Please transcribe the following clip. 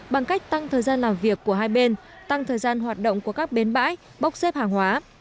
bằng cách tăng thời gian làm việc của hai bên tăng thời gian hoạt động của các bến bãi bốc xếp hàng hóa